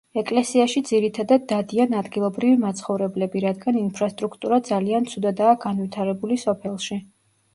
ეკლესიაში ძირითადად დადიან ადგილობრივი მაცხოვრებლები, რადგან ინფრასტრუქტურა ძალიან ცუდადაა განვითარებული სოფელში.